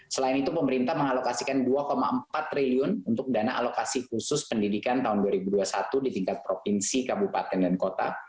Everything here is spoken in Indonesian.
selain itu pemerintah mengalokasikan dua empat triliun untuk dana alokasi khusus pendidikan tahun dua ribu dua puluh satu di tingkat provinsi kabupaten dan kota